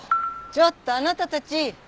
ちょっとあなたたち！